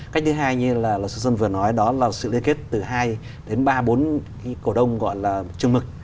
cách thứ hai như là sư xuân vừa nói đó là sự liên kết từ hai đến ba bốn cái cổ đông gọi là chương mực